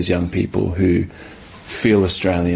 yang merasa orang australia